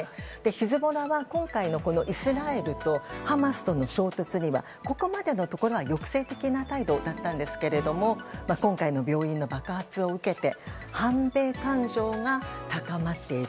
ヒズボラは今回のイスラエルとハマスとの衝突にはここまでのところは抑制的な態度だったんですが今回の病院の爆発を受けて反米感情が高まっている。